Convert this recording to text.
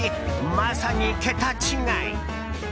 まさに桁違い。